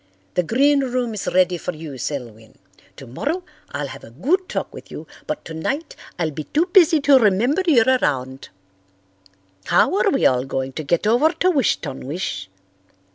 The green room is ready for you, Selwyn. Tomorrow I'll have a good talk with you, but tonight I'll be too busy to remember you're around. How are we all going to get over to Wish ton wish?